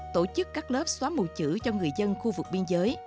tổ chức các lớp xóa mù chữ cho người dân khu vực biên giới